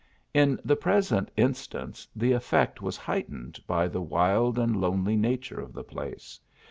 In the present instance, the effect was heightened by the wild and lonely nature of the place.